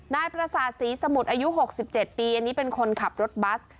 นายประสาทศรีสมุทรอายุ๖๗ปีอันนี้เป็นคนขับรถบัส